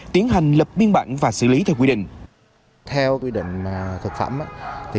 tiến hành lập biên bản và xử lý theo quy định